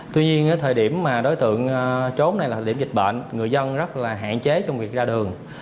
tuy nhiên thời điểm mà đối tượng trốn này là điểm dịch bệnh người dân rất là hạn chế trong việc ra đường